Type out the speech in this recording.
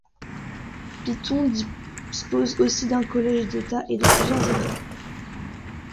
Piton dispose aussi d'un collège d'État et de plusieurs écoles.